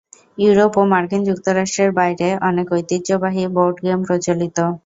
Europe ও মার্কিন যুক্তরাষ্ট্রের বাইরে, অনেক ঐতিহ্যবাহী বোর্ড গেম প্রচলিত।